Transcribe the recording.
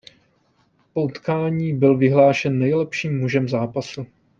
Po utkání byl vyhlášen nejlepším mužem zápasu.